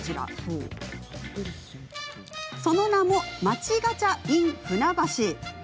その名も、街ガチャｉｎ船橋。